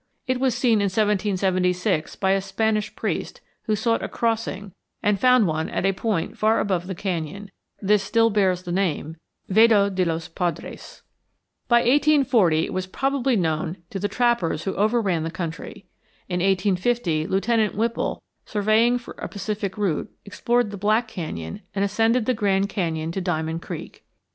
It was seen in 1776 by a Spanish priest who sought a crossing and found one at a point far above the canyon; this still bears the name Vado de los Padres. By 1840 it was probably known to the trappers who overran the country. In 1850 Lieutenant Whipple, surveying for a Pacific route, explored the Black Canyon and ascended the Grand Canyon to Diamond Creek.